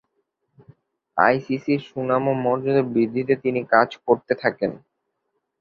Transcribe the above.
আইসিসি’র সুনাম ও মর্যাদা বৃদ্ধিতে তিনি কাজ করতে থাকেন।